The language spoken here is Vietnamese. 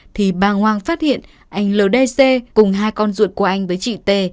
thì bàng hoang phát hiện anh l d c cùng hai con ruột của anh với chị t